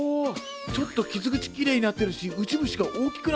ちょっと傷口キレイになってるしウジ虫が大きくなってる。